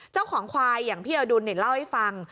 เจ้าของควายอย่างพี่อดุลเล่าให้ฟัง